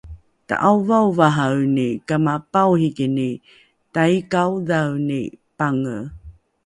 Ta'aovaovahaeni kama paohikini taikaodhaeni pange